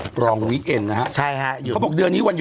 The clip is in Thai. ปลองวิเกิดนะฮะใช่ฮะอยู่เบอร์เดือนนี้วันหยุด